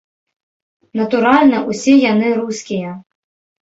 Натуральна, усе яны рускія.